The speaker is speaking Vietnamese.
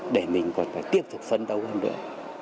để mình có thể tiếp tục phấn đấu hơn nữa